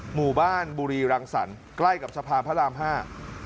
หมู่บ้านบุรีรังสรรค์ใกล้กับสะพานพระรามห้า